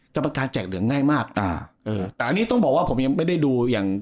กรรมการแจกเหลืองง่ายมากอ่าเออแต่อันนี้ต้องบอกว่าผมยังไม่ได้ดูอย่าง